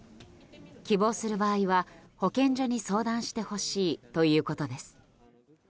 希望する場合は保健所に相談してほしいということです。